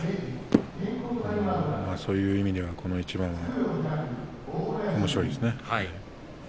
そういう意味ではこの一番はおもしろいですね。